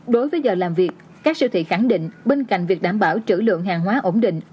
đối với giờ làm việc các siêu thị khẳng định bên cạnh việc đảm bảo trữ lượng hàng hóa ổn định